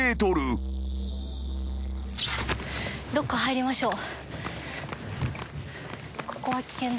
どっか入りましょう。